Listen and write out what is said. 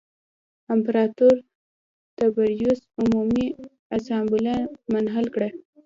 امپراتور تبریوس عمومي اسامبله منحل کړه